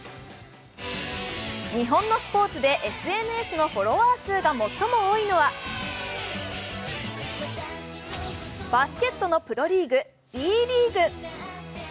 日本のスポーツでＳＮＳのフォロワー数が最も多いのはバスケットのプロリーグＢリーグ。